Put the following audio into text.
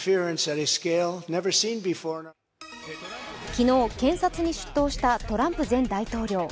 昨日、検察に出頭したトランプ前大統領。